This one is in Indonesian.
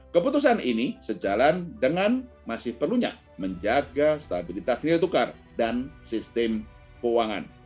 keputusan ini sejalan dengan masih perlunya menjaga stabilitas nilai tukar dan sistem keuangan